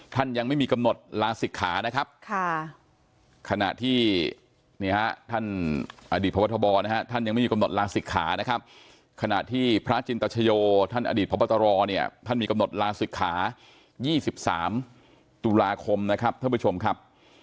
ท่านยังไม่มีกำหนดลาศิกขานะครับ